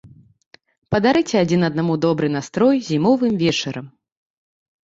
Падарыце адзін аднаму добры настрой зімовым вечарам!